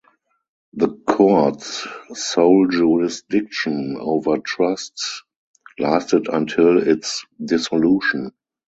The court's sole jurisdiction over trusts lasted until its dissolution.